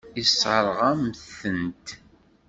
Yessṛeɣ-am-tent.